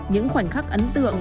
những khoảnh khắc ấn tượng